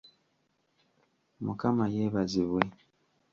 Mukama yeebazibwe!